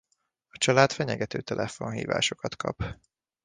A család fenyegető telefonhívásokat kap.